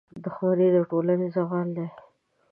• دښمني د ټولنې زوال دی.